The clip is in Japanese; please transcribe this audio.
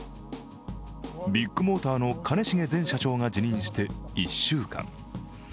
ビッグモーターの兼重前社長が辞任して１週間。